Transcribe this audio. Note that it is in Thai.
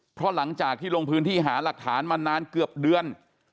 เพราะหลังจากที่ลงพื้นที่หาหลักฐานมานานเกือบเดือน